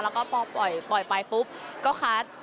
แล้วก็พอปล่อยไปปุ๊บก็คัด